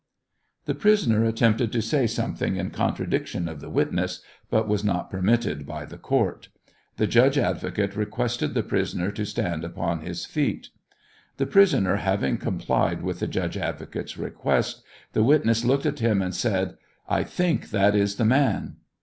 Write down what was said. The prisoner attempted to say something in contradiction of the witness, but was not permitted by the court. The judge advocate requested the prisoner to stand upon his feet. The prisoner having complied with the judge advocate's request, the witness looked at him and said, " I think that is the man."